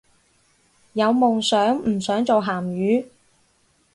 有夢想唔使做鹹魚